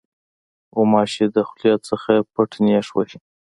غوماشې د خولې نه پټه نیش وهي.